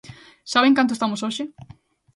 ¿Sabe en canto estamos hoxe?